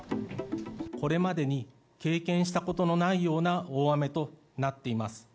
これまでに経験したことのないような大雨となっています。